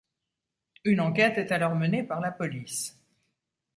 Une enquête est alors menée par la police.